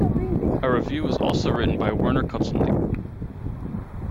A review was also written by Werner Kutzelnigg.